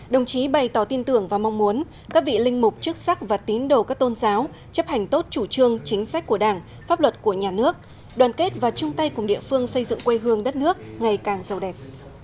đồng chí bày tỏ tin tưởng và mong muốn các vị linh mục chức sắc và tín đồ các tôn giáo chấp hành tốt chủ trương chính sách của đảng pháp luật của nhà nước đoàn kết và chung tay cùng địa phương xây dựng quê hương đất nước ngày càng giàu đẹp